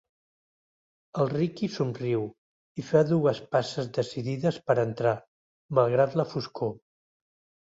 El Riqui somriu i fa dues passes decidides per entrar, malgrat la foscor.